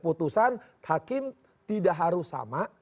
putusan hakim tidak harus sama